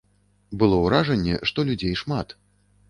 Было ўражанне, што людзей шмат.